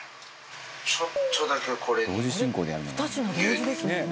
ちょっとだけこれに牛乳。